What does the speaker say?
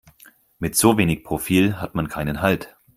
Mit so wenig Profil hat man keinen Halt.